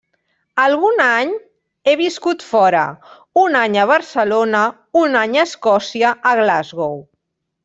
Algun any he viscut fora: un any a Barcelona, un any a Escòcia, a Glasgow.